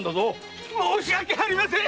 申し訳ありません！